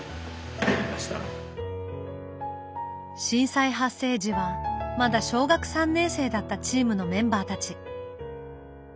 震災発生時はまだ小学３年生だったチームのメンバーたち。